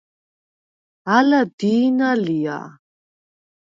ალა დი̄ნა ლია?